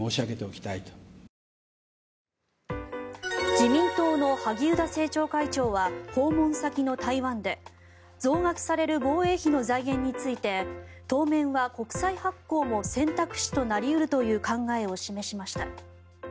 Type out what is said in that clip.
自民党の萩生田政調会長は訪問先の台湾で増額される防衛費の財源について当面は国債発行も選択肢となり得るという考えを示しました。